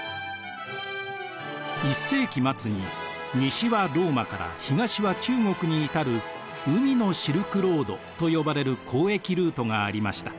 １世紀末に西はローマから東は中国に至る海のシルクロードと呼ばれる交易ルートがありました。